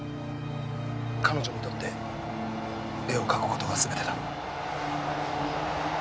彼女にとって絵を描く事が全てだ。